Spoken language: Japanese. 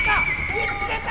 見つけた！